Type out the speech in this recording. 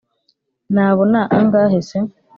nabona angahe se?